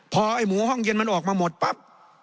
พอไอ้หมูห้องเย็นมันออกมาหมดปั๊บ